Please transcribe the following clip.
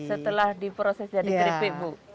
setelah diproses jadi keripik bu